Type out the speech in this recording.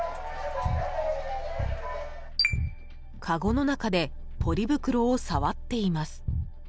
かごの中でポリ袋を触っています。